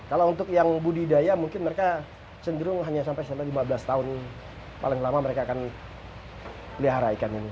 kalau untuk yang budidaya mungkin mereka cenderung hanya sampai lima belas tahun paling lama mereka akan melihara ikan ini